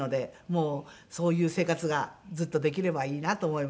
もうそういう生活がずっとできればいいなと思います。